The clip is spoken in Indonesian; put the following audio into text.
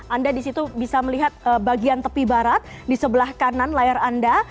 anda di situ bisa melihat bagian tepi barat di sebelah kanan layar anda